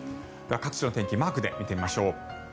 各地の天気マークで見ていきましょう。